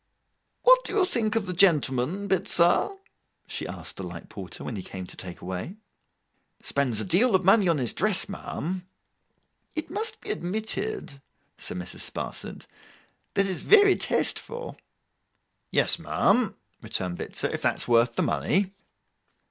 'What do you think of the gentleman, Bitzer?' she asked the light porter, when he came to take away. 'Spends a deal of money on his dress, ma'am.' 'It must be admitted,' said Mrs. Sparsit, 'that it's very tasteful.' 'Yes, ma'am,' returned Bitzer, 'if that's worth the money.